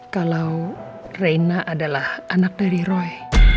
kalau reina adalah anak dari roy